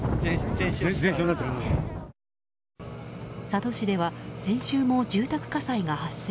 佐渡市では先週も住宅火災が発生。